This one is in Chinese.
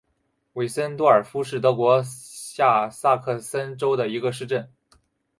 韦森多尔夫是德国下萨克森州的一个市镇。